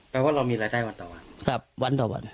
แปลว่าเรามีรายได้วันต่อวัน